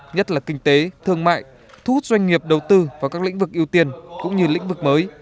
nhất là kinh tế thương mại thu hút doanh nghiệp đầu tư vào các lĩnh vực ưu tiên cũng như lĩnh vực mới